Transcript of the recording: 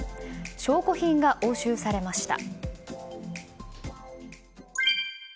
証拠品が押収されました。